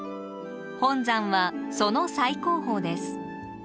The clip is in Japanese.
本山はその最高峰です。